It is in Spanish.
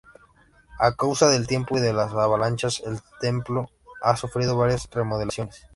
A causa del tiempo y de las avalanchas, el templo ha sufrido varias remodelaciones.